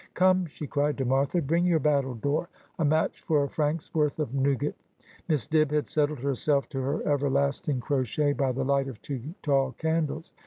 ' Come,' she cried to Martha ;' bring your battledore. A match for a franc's worth of nougat.' Miss Dibb had settled herself to her everlasting crochet by the light of two tall candles.